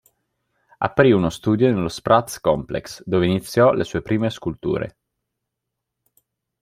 Aprì uno studio nello Spratt's Complex, dove inizio le sue prime sculture.